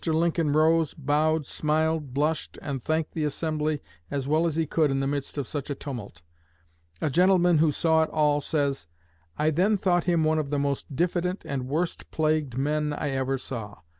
Lincoln rose, bowed, smiled, blushed, and thanked the assembly as well as he could in the midst of such a tumult. A gentleman who saw it all says, 'I then thought him one of the most diffident and worst plagued men I ever saw.'